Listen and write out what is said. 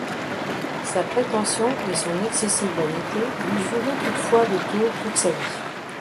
Sa prétention et son excessive vanité lui joueront toutefois des tours toute sa vie.